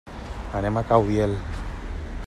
Anem a Caudiel.